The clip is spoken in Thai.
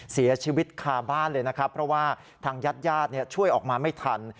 เสียชีวิตคาบ้านเลยนะครับเพราะว่าทางญาติญาติช่วยออกมาไม่ทัน